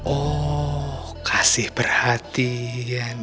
oh kasih perhatian